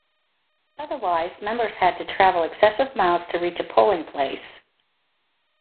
Otherwise members had to travel excessive miles to reach a polling place.